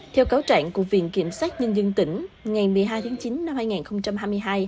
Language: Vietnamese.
theo cáo trạng của viện kiểm sát nhân dân tỉnh ngày một mươi hai tháng chín năm hai nghìn hai mươi hai